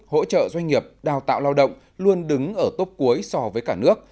hỗ trợ doanh nghiệp đào tạo lao động luôn đứng ở tốc cuối so với cả nước